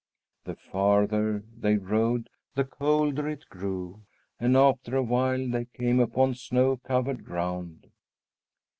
The farther they rode, the colder it grew, and after a while they came upon snow covered ground.